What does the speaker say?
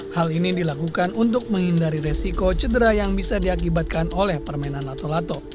hal ini dilakukan untuk menghindari resiko cedera yang bisa diakibatkan oleh permainan lato lato